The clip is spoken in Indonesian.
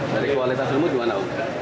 dari kualitas rumput gimana